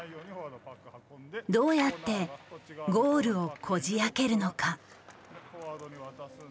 どうやってゴールをこじあけるのか。